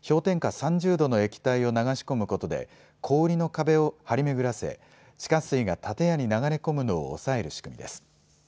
３０度の液体を流し込むことで氷の壁を張り巡らせ地下水が建屋に流れ込むのを抑える仕組みです。